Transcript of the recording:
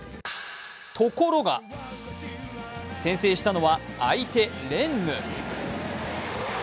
ところが先制したのは相手、レンヌ。